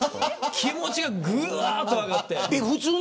気持ちがぐわーっと上がって。